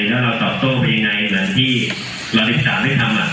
แล้วเราตอบโต้มันยังไงเหมือนที่เราอิกษาไม่ทำ